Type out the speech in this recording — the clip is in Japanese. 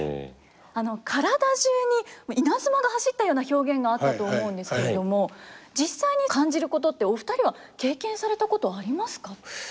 体中に稲妻が走ったような表現があったと思うんですけれども実際に感じることってお二人は経験されたことありますか？